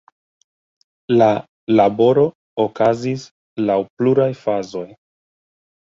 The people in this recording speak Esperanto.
La laboro okazis laŭ pluraj fazoj.